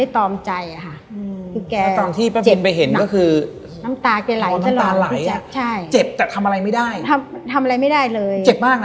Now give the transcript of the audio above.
ทำอะไรไม่ได้เลย